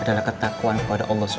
adalah ketakwaan kepada allah swt